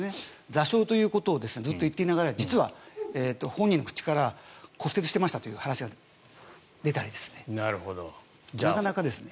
挫傷ということをずっと言っていながら実は本人の口から骨折してましたという話が出たりなかなかですね。